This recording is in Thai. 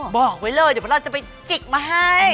บอกไว้เลยเดี๋ยวเราจะไปจิกมาให้